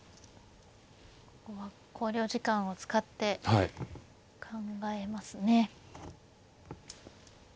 ここは考慮時間を使って考えますね。